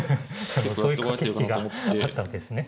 そういう駆け引きがあったんですね。